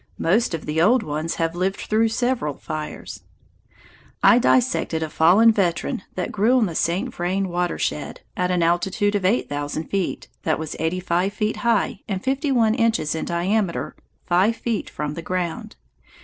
Most of the old ones have lived through several fires. I dissected a fallen veteran that grew on the St. Vrain watershed, at an altitude of eight thousand feet, that was eighty five feet high and fifty one inches in diameter five feet from the ground.